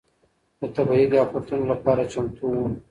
د طبيعي افتونو لپاره چمتو و.